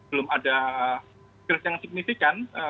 belum ada grace yang signifikan